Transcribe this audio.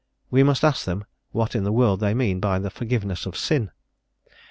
_ we must ask them what in the world they mean by the forgiveness of sin?"